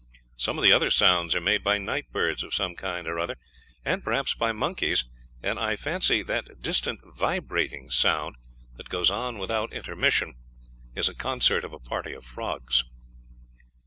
Some of the other sounds are made by night birds of some kind or other and perhaps by monkeys, and I fancy that distant vibrating sound that goes on without intermission is a concert of a party of frogs."